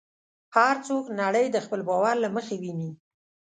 هر څوک نړۍ د خپل باور له مخې ویني.